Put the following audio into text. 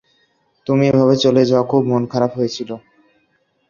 তুমি এভাবে চলে যাওয়া খুব মন খারাপ হয়েছিল।